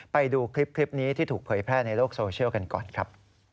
ไปดูคลิปนี้ที่ถูกเผยแพร่ในโลกโซเชียลกันก่อนครับ